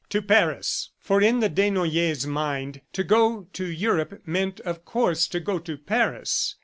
"To Paris!" For in the Desnoyers' mind, to go to Europe meant, of course, to go to Paris.